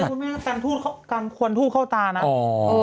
กันควรทูปเข้าตานะ